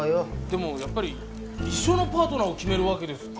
でもやっぱり一生のパートナーを決めるわけですから。